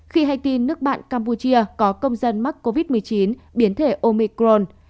khi hay tin nước bạn campuchia có công dân mắc covid một mươi chín biến thể omicron